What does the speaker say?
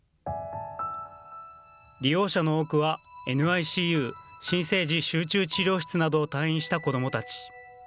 利用者の多くはＮＩＣＵ新生児集中治療室などを退院した子どもたち。